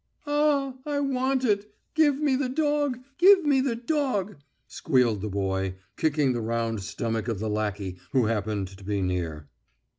"A a a; I wa ant it, give me the dog, give me the dog," squealed the boy, kicking the round stomach of the lackey who happened to be near.